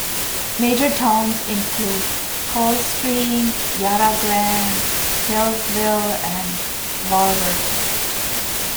Major towns include Coldstream, Yarra Glen, Healesville and Warburton.